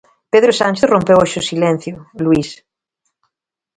Pedro Sánchez rompeu hoxe o silencio, Luís.